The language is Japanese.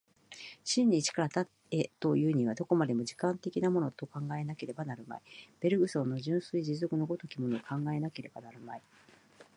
真に一から多へというには、どこまでも時間的なものと考えなければなるまい、ベルグソンの純粋持続の如きものを考えなければなるまい。